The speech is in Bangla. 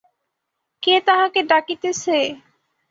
কে তাহাকে ডাকিতেছে?